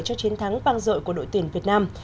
cho chiến thắng vang dội của đội tuyển việt nam